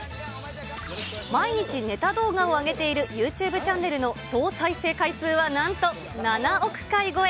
毎日、ネタ動画を上げているユーチューブチャンネルの総再生回数はなんと７億回超え。